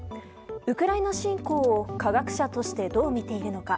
ウクライナ侵攻を科学者としてどう見ているのか。